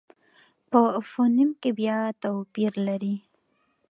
په فونېم کې بیا توپیر لري.